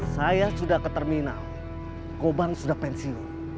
saya sudah ke terminal korban sudah pensiun